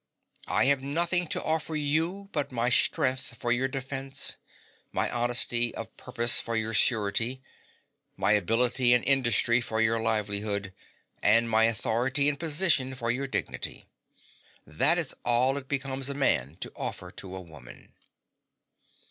I have nothing to offer you but my strength for your defence, my honesty of purpose for your surety, my ability and industry for your livelihood, and my authority and position for your dignity. That is all it becomes a man to offer to a woman.